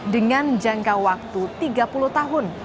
dengan jangka waktu tiga puluh tahun